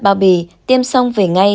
bao bì tiêm xong về ngay